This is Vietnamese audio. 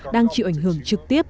đang chịu ảnh hưởng trực tiếp